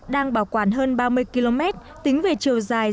đang bảo quản hơn ba mươi km tính về chiều dài